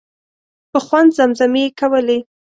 په خوند زمزمې یې کولې.